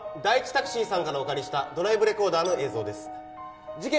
タクシーさんからお借りしたドライブレコーダーの映像です事件